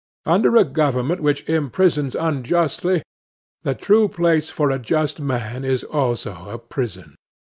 Under a government which imprisons any unjustly, the true place for a just man is also a prison.